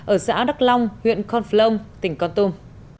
ở xã đắc long huyện con phlông tỉnh con tum